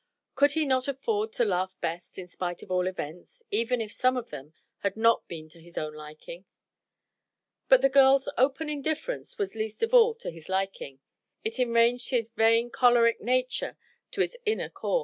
Could he not afford to laugh best, in spite of all events, even if some of them had not been to his own liking? But the girl's open indifference was least of all to his liking. It enraged his vain, choleric nature to its inner core.